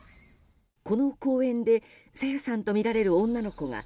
この公園で朝芽さんとみられる女の子が